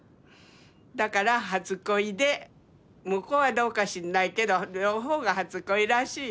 だから初恋で向こうはどうか知んないけど両方が初恋らしいよ。